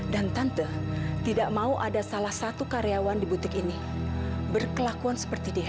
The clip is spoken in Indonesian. tante tidak mau ada salah satu karyawan di butik ini berkelakuan seperti dia